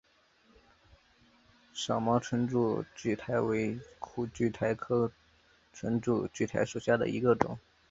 少毛唇柱苣苔为苦苣苔科唇柱苣苔属下的一个种。